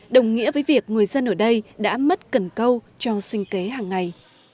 đồng nghĩa với việc người dân ở đây đã mất cần câu cho sinh kế hàng ngày